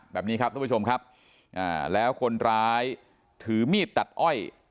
แบบนี้ครับทุกผู้ชมครับอ่าแล้วคนร้ายถือมีดตัดอ้อย